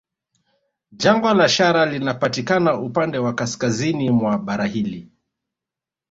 Jangwa la Shara linapatikana upande wa kaskazini mwa bara hili